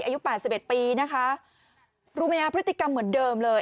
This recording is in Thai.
อายุ๘๑ปีนะคะรู้ไหมพฤติกรรมเหมือนเดิมเลย